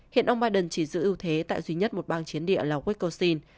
hiện ông biden chỉ giữ ưu thế tại duy nhất một bang chiến địa là wiscosin